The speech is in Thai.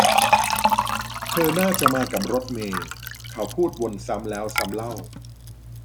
เธอน่าจะมากับรถเมย์ เขาพูดวนซ้ำแล้วซ้ำเล่า